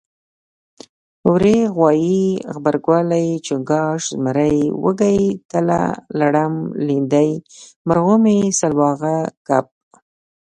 وری غوایي غبرګولی چنګاښ زمری وږی تله لړم لیندۍ مرغومی سلواغه کب